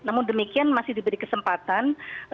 namun demikian masih diberi kesempatan